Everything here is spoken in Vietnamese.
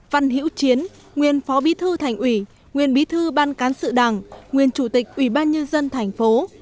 văn hiễu chiến nguyên phó bí thư thành ủy nguyên bí thư ban cán sự đảng nguyên chủ tịch ủy ban nhân dân thành phố